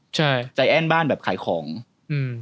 ใช่ใจแอ้นบ้านแบบขายของอืม